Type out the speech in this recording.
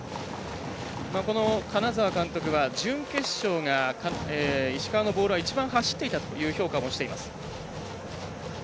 この金沢監督は準決勝は石川のボールが一番走っていたと評価をしています。